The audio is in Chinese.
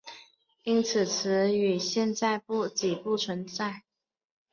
因此此词语现在几不存在。